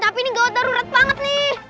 tapi ini gawat darurat banget nih